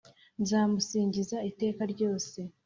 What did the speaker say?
Nzamusingiza iteka ryose